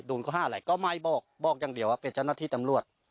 โดนข้อห้าอะไรก็ไม่บอกบอกอย่างเดียวเป็นชนะที่ตำรวจ